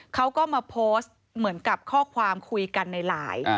เขาก็มาโพสต์เหมือนกับข้อความคุยกันในไลน์